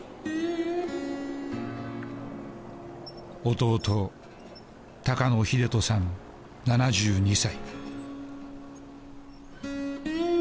弟高野英人さん７２歳。